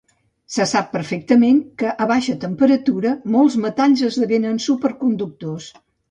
Se sap perfectament que, a baixa temperatura, molts metalls esdevenen superconductors.